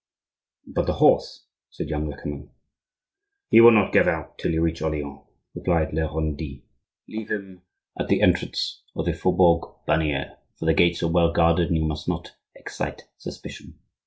"But the horse?" said young Lecamus. "He will not give out till you reach Orleans," replied La Renaudie. "Leave him at the entrance of the faubourg Bannier; for the gates are well guarded, and you must not excite suspicion.